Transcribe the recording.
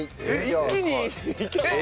一気にいけるの？